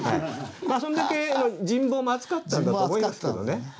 そんだけ人望も厚かったんだと思いますけどね。